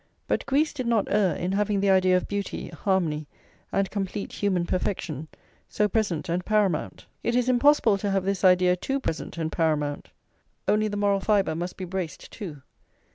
But Greece did not err in having the idea of beauty, harmony, and complete human perfection, so present and paramount; it is impossible to have this idea too present and paramount; only the moral fibre must be braced too.